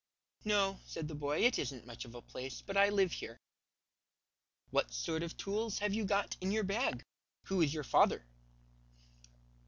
"No," said the boy, "it isn't much of a place, but I live here." "What sort of tools have you got in your bag? Who is your father?"